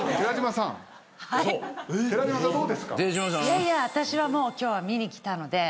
いやいや私はもう今日は見に来たので。